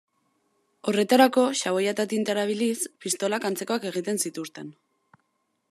Horretarako xaboia eta tinta erabiliz, pistolak antzekoak egin zituzten.